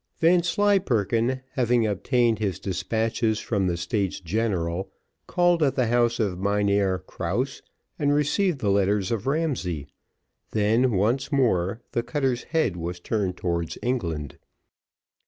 Vanslyperken having obtained his despatches from the States General, called at the house of Mynheer Krause, and received the letters of Ramsay, then, once more, the cutter's head was turned towards England.